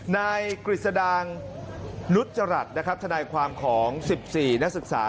นายกฤษดางรุจรัตรทนายความของ๑๔นักศึกษา